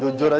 jujur aja bu